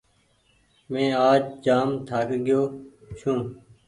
مينٚ آج جآم ٿآڪگيو ڇوٚنٚ